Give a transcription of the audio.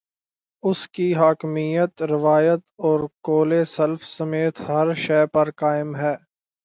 اس کی حاکمیت، روایت اور قول سلف سمیت ہر شے پر قائم ہے۔